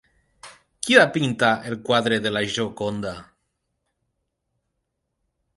Qui va pintar el quadre de La Gioconda?